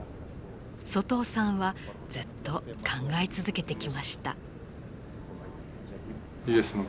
外尾さんはずっと考え続けてきました。